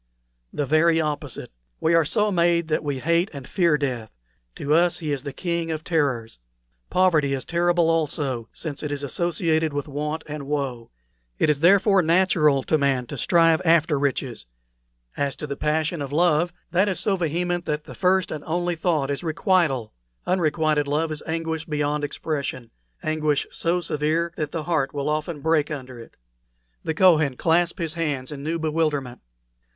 "The very opposite. We are so made that we hate and fear death; to us he is the King of Terrors. Poverty is terrible also, since it is associated with want and woe; it is, therefore, natural to man to strive after riches. As to the passion of love, that is so vehement that the first and only thought is requital. Unrequited love is anguish beyond expression anguish so severe that the heart will often break under it." The Kohen clasped his hands in new bewilderment.